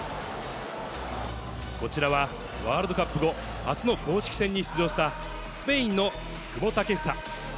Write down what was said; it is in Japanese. こちらはワールドカップ後、初の公式戦に出場した、スペインの久保建英。